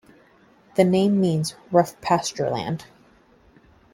The name means "rough pasture land".